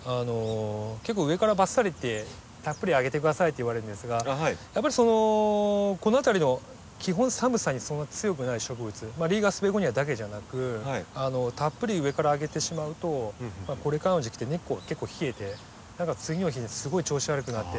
結構上からばっさりってたっぷりあげて下さいって言われるんですがやっぱりこの辺りの基本寒さにそんな強くない植物リーガースベゴニアだけじゃなくたっぷり上からあげてしまうとこれからの時期って根っこが結構冷えて何か次の日にすごい調子悪くなってて。